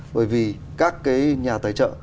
bởi vì các cái nhà tài trợ